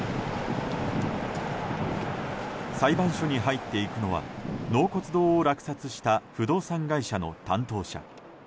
裁判所に入っていくのは納骨堂を落札した不動産会社の担当者。